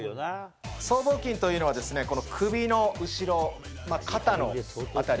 僧帽筋というのはこの首の後ろ、肩の辺り。